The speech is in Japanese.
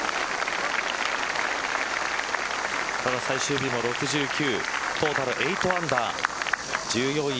最終日も６９トータル８アンダー１４位